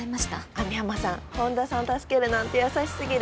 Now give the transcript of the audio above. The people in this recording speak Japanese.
網浜さん本田さん助けるなんて優しすぎる。